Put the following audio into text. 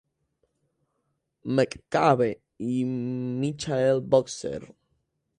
McCabe y Michael Boxer.